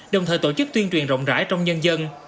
đồng thời tổ chức tuyên truyền rộng rãi trong nhân dân